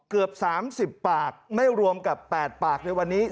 เกือบ๓๐ปากไม่รวมกับ๘ปากในวันนี้